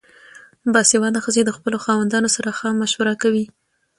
باسواده ښځې د خپلو خاوندانو سره ښه مشوره کوي.